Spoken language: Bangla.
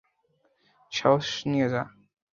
সাহস নিয়ে যা।